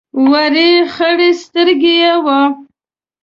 وړې خړې سترګې یې وې.